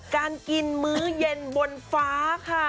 การกินมื้อเย็นบนฟ้าค่ะ